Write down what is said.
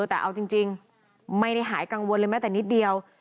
แต่เอาจริงไม่ได้หายกังวลเลยแม้แต่นิดเดียว